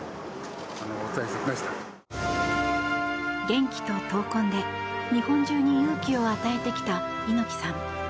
元気と闘魂で、日本中に勇気を与えてきた猪木さん。